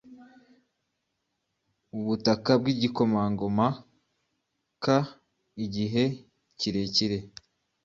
ubutaka-bwigikomangomak igihe kirekire